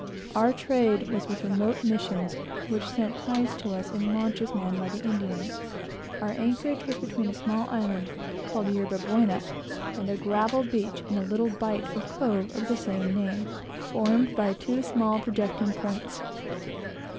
Our trade was with remote Missions, which sent hides to us in launches manned by their Indians. Our anchorage was between a small island, called Yerba Buena, and a gravel beach in a little bight or cove of the same name, formed by two small projecting points.